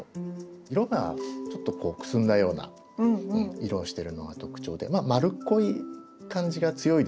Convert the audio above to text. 色がちょっとくすんだような色をしてるのが特徴でまあ丸っこい感じが強いですかね。